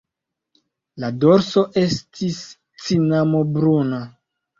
La dorso estis cinamo-bruna.